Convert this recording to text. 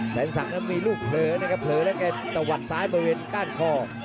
แสนศักดิ์มีลูกเผลอนะครับเผลอแล้วแกตะวัดซ้ายบริเวณก้านคอ